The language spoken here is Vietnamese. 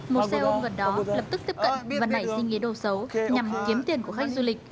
một xe ôm gần đó lập tức tiếp cận và nảy sinh ý đồ xấu nhằm kiếm tiền của khách du lịch